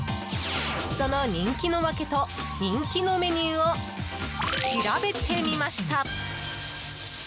その人気の訳と人気のメニューを調べてみました。